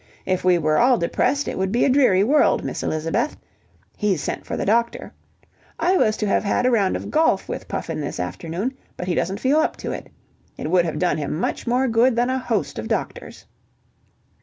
If we were all depressed it would be a dreary world, Miss Elizabeth. He's sent for the doctor. I was to have had a round of golf with Puffin this afternoon, but he doesn't feel up to it. It would have done him much more good than a host of doctors."